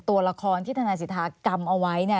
ตัวละครที่ทนายสิทธากำเอาไว้เนี่ย